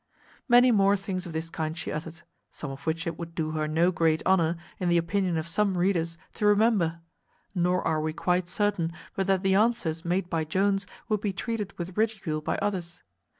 Many more things of this kind she uttered, some of which it would do her no great honour, in the opinion of some readers, to remember; nor are we quite certain but that the answers made by Jones would be treated with ridicule by others.